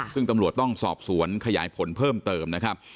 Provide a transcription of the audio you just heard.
ซึ่งตำรวจต้องสอบสวนขยายผลเพิ่มเติมนะครับ